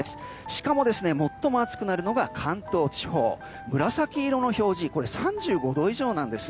しかも最も暑くなるのは関東地方、紫色の表示３５度以上なんです。